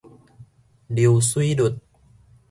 流水率